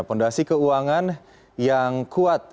fondasi keuangan yang kuat